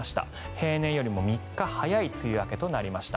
平年よりも３日早い梅雨明けとなりました。